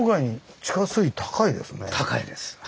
高いです。